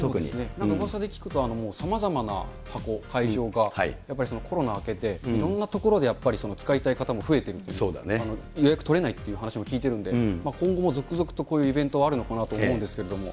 なんかうわさで聞くと、さまざまな会場が、やっぱりコロナ明けて、いろんなところでやっぱり使いたい方も増えてるという、予約取れないっていう話を聞いてるんで、今後も続々とこういうイベントはあるのかなと思うんですけど。